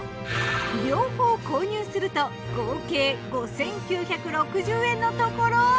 両方購入すると合計５，９６０円のところ。